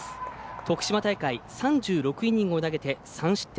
徳島大会３６イニングを投げて３失点